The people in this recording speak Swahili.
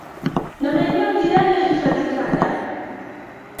na maeneo jirani ya hifadhi Kanda